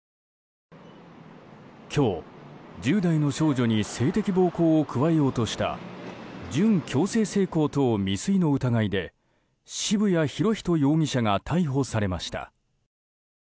今日、１０代の少女に性的暴行を加えようとした準強制性交等未遂の疑いで渋谷博仁容疑者が逮捕されました。